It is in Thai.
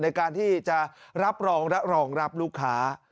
ในการที่จะรับรองและรองรับลูกค้า